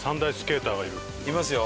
いますよ。